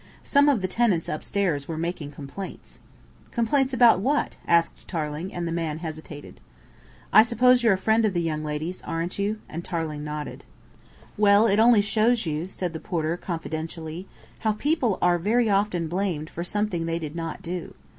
"Some of the tenants upstairs were making complaints." "Complaints about what?" asked Tarling, and the man hesitated. "I suppose you're a friend of the young lady's, aren't you?" and Tarling nodded. "Well, it only shows you," said the porter confidentially, "how people are very often blamed for something they did not do.